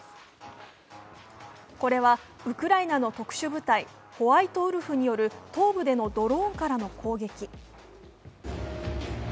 これは、ウクライナの特殊部隊ホワイトウルフによる東部でのドローンからの攻撃。